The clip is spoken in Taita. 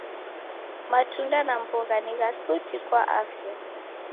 Matunda na mbogha ni gha suti kwa afya.